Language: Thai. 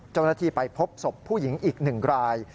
เจ้าหน้าที่ไปพบศพผู้หญิงอีก๑ราย